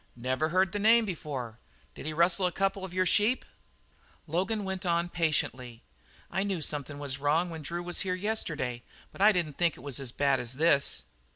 "Never heard the name before. Did he rustle a couple of your sheep?" Logan went on patiently: "I knew something was wrong when Drew was here yesterday but I didn't think it was as bad as this."